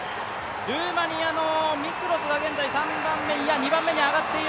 ルーマニアのミクロスが現在２番目に上がっている。